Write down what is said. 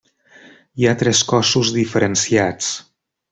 Hi ha tres cossos diferenciats.